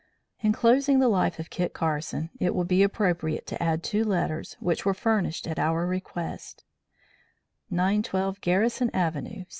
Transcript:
In closing the life of Kit Carson, it will be appropriate to add two letters, which were furnished at our request: 912 GARRISON AVENUE, ST.